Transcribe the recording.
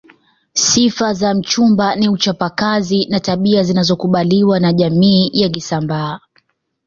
Sifa za mchumba ni uchapa kazi na tabia zinazokubaliwa na jamii ya kisambaa